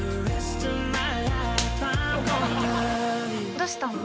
どしたの？